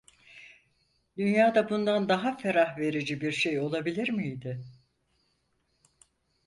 Dünyada bundan daha ferah verici bir şey olabilir miydi?